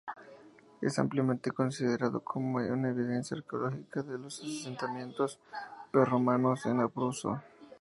Es ampliamente considerado como una evidencia arqueológica de los asentamientos prerromanos en Abruzzo.